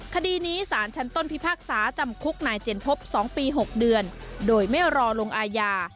คดีนี้สารชั้นต้นพิพากษาจำคุกนายเจนพบ๒ปี๖เดือนโดยไม่รอลงอาญา